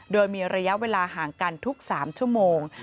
โดยมีระยะเวลาห่างกันทุก๓ชั่วโมง